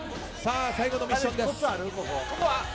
最後のミッションです。